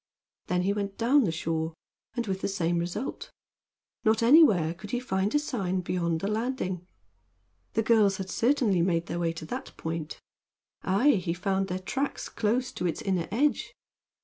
Then he went down the shore, and with the same result. Not anywhere could he find a sign beyond the landing. The girls had certainly made their way to that point. Aye, he found their tracks close to its inner edge.